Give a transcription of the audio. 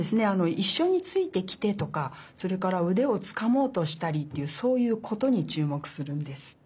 「いっしょについてきて」とかそれからうでをつかもうとしたりっていうそういう「こと」にちゅうもくするんです。